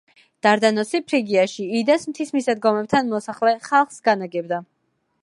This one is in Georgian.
დარდანოსი ფრიგიაში, იდას მთის მისადგომებთან მოსახლე ხალხს განაგებდა.